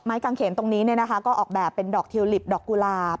กางเขนตรงนี้ก็ออกแบบเป็นดอกทิวลิปดอกกุหลาบ